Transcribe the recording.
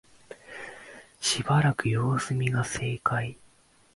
しばらく様子見が正解